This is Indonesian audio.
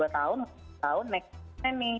dua tahun satu tahun next